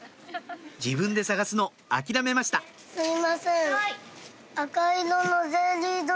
自分で探すの諦めましたはい。